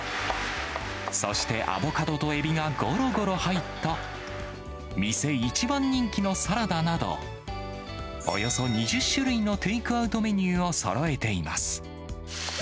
そして、アボカドとエビがごろごろ入った店一番人気のサラダなど、およそ２０種類のテイクアウトメニューをそろえています。